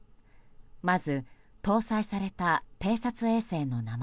まず、搭載された偵察衛星の名前。